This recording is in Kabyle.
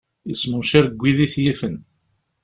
Yesmencir deg wid i t-yifen.